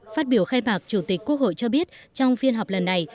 phát biểu khai mạc chủ tịch quốc hội cho biết trong phiên họp lần này